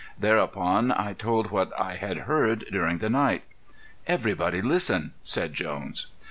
Thereupon I told what I had heard during the night. "Everybody listen," said Jones.